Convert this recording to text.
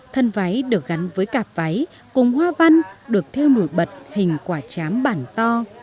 thân váy được gắn với cạp váy cùng hoa văn được theo nổi bật hình quả chám bản to